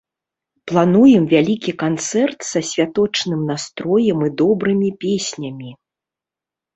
Плануем вялікі канцэрт са святочным настроем і добрымі песнямі.